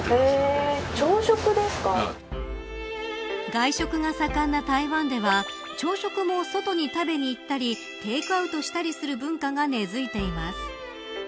外食が盛んな台湾では朝食も外に食べに行ったりテイクアウトしたりする文化が根づいています。